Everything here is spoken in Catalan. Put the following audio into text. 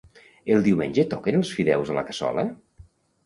El diumenge toquen els fideus a la cassola?